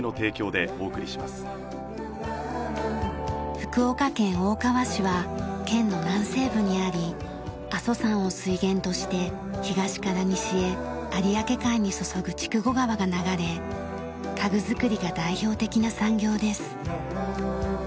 福岡県大川市は県の南西部にあり阿蘇山を水源として東から西へ有明海に注ぐ筑後川が流れ家具作りが代表的な産業です。